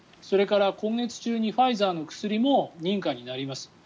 それから今月中にファイザーの薬も認可になります。